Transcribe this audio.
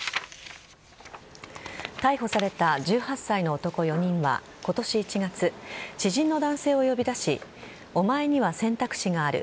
逮捕された１８歳の男４人は今年１月知人の男性を呼び出しお前には選択肢がある。